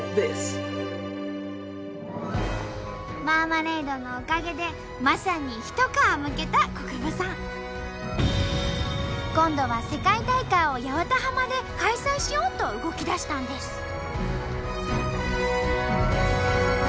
マーマレードのおかげでまさに一皮むけた國分さん。今度は世界大会を八幡浜で開催しようと動きだしたんです。